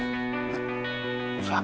kenapaakerini udah cabut